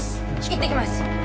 いってきます。